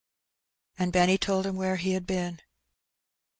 And Benny told him where he had been.